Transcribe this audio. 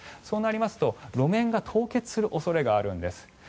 そうなりますと路面が凍結する恐れがあるんです。